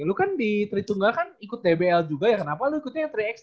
lu kan di tri tunggal kan ikut dbl juga ya kenapa lu ikutnya yang tiga x tiga